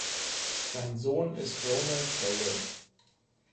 Sein Sohn ist Ronald Vale.